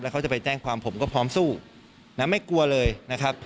เขาจะไปแจ้งความผมก็พร้อมสู้นะไม่กลัวเลยนะครับ